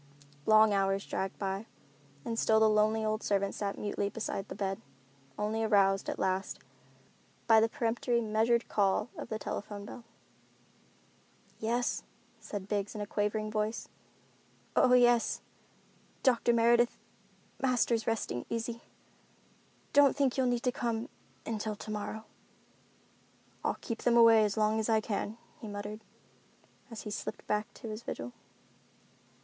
Long hours dragged by, and still the lonely old servant sat mutely beside the bed, only aroused, at last, by the peremptory, measured call of the telephone bell. "Yes," said Biggs in a quavering voice. "Oh yes, Doctor Meredith, Master's resting easy. Don't think you'll need to come until tomorrow." "I'll keep them away as long as I can," he muttered, as he slipped back to his vigil.